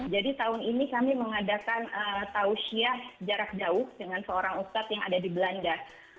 jadi tahun ini kami mengadakan tausiyah jarak jauh dengan seorang ustadz yang ada di belanda